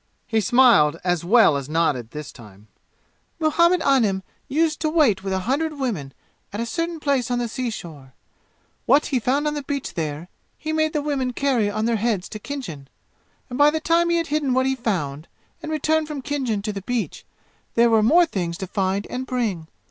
He smiled as well as nodded this time. "Muhammad Anim used to wait with a hundred women at a certain place on the seashore. What he found on the beach there he made the women carry on their heads to Khinjan. And by the time he had hidden what he found and returned from Khinjan to the beach, there were more things to find and bring.